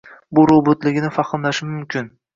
bu robotligini fahmlashi mumkin.